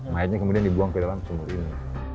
mayatnya kemudian dibuang ke dalam sumur ini